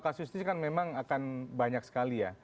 kasus ini kan memang akan banyak sekali ya